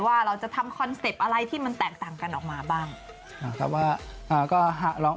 ว่าเราจะทำคอนเซ็ปต์อะไรที่มันแตกต่างกันออกมาบ้าง